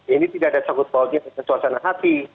ini tidak ada sanggup sanggupnya kekesuasaan hati